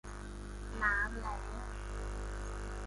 น้ำแล้ง